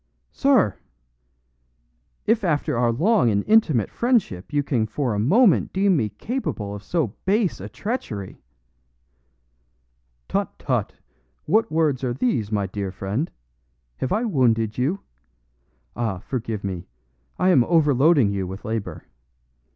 "SIR! If after our long and intimate friendship you can for a moment deem me capable of so base a treachery " "Tut, tut! What words are these, my dear friend? Have I wounded you? Ah, forgive me; I am overloading you with labor.